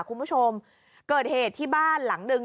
คุณผู้ชมเกิดเหตุที่บ้านหลังหนึ่ง